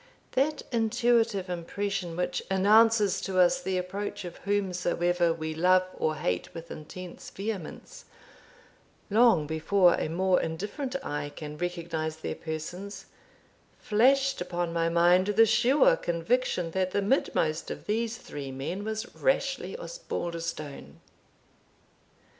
That intuitive impression which announces to us the approach of whomsoever we love or hate with intense vehemence, long before a more indifferent eye can recognise their persons, flashed upon my mind the sure conviction that the midmost of these three men was Rashleigh Osbaldistone.